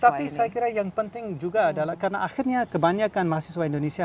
tapi saya kira yang penting juga adalah karena akhirnya kebanyakan mahasiswa indonesia